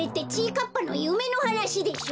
かっぱのゆめのはなしでしょ！？